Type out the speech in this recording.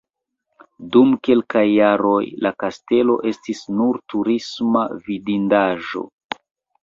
Dum kelkaj jaroj la kastelo estis nur turisma vidindaĵo.